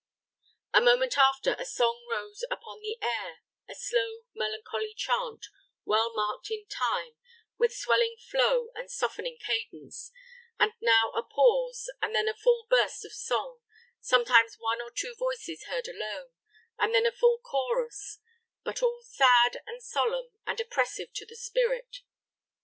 A moment after, a song rose upon the air a slow, melancholy chant, well marked in time, with swelling flow and softening cadence, and now a pause, and then a full burst of song, sometimes one or two voices heard alone, and then a full chorus; but all sad, and solemn, and oppressive to the spirit.